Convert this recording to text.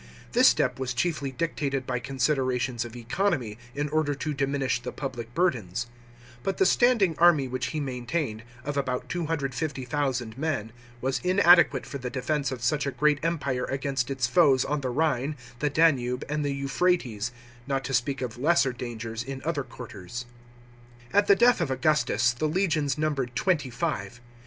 * This step was chiefly dictated by considerations of economy, in order to diminish the public burdens ; but the standing army which he maintained, of about 250,000 men, was inadequate for the defence of such a great empire against its foes on the Rhine, the Danube, and the Euphrates, not tc speak of lesser dangers in other quarters. At the death of Augustus, the legions numbered twenty five.